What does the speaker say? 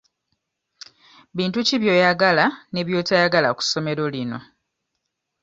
Bintu ki by'oyagala ne by'otayagala ku ssomero lino?